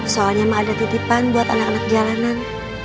soalnya mah ada titipan buat anak anak jalanan